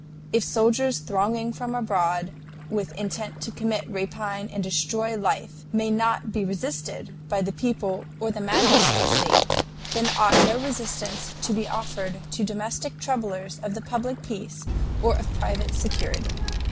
If soldiers thronging from abroad with intent to commit rapine and destroy life may not be resisted by the people or the magistracy, then ought no resistance to be offered to domestic troublers of the public peace or of private security.